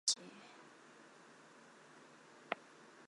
韩国职业足球联赛等级